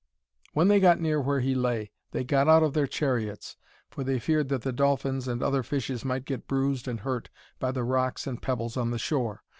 When they got near where he lay, they got out of their chariots, for they feared that the dolphins and other fishes might get bruised and hurt by the rocks and pebbles on the shore.